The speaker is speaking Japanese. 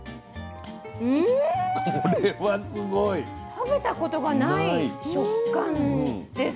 食べたことがない食感です。